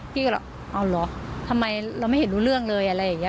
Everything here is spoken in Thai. พี่ก็เอาเหรอทำไมเราไม่เห็นรู้เรื่องเลยอะไรอย่างนี้